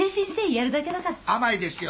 甘いですよ。